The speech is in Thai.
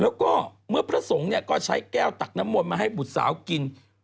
แล้วก็เมื่อพระสงฆ์ก็ใช้แก้วตักน้ำมนต์มาให้บุตรสาวกิน